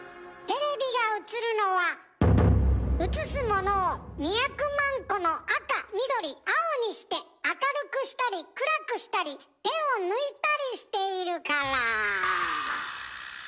テレビが映るのは映すものを２００万個の赤緑青にして明るくしたり暗くしたり手を抜いたりしているから。